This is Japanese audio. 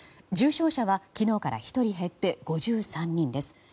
重症者は昨日から１人減って５３人です。